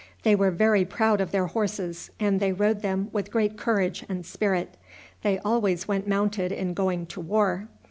They were very proud of their horses, and they rode them with great courage and spirit. They always went mounted in going to war.